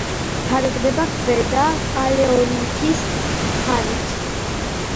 თარიღდება ქვედა პალეოლითის ხანით.